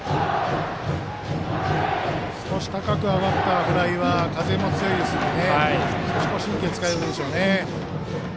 少し高く上がったフライは風も強いので神経を使うでしょうね。